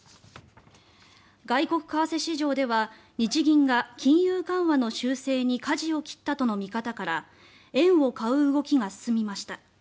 外国為替市場では日銀が金融緩和の修正にかじを切ったとの見方から円を買う動きが進みました。